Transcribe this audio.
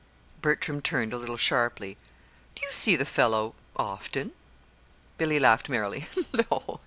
Bertram turned a little sharply. "Do you see the fellow often?" Billy laughed merrily.